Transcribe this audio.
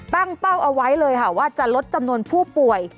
เป้าเอาไว้เลยค่ะว่าจะลดจำนวนผู้ป่วย